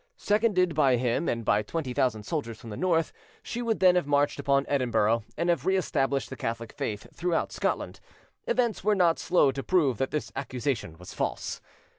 Seconded by him and by twenty thousand soldiers from the north, she would then have marched upon Edinburgh, and have re established the Catholic faith throughout Scotland. Events were not slow to prove that this accusation was false.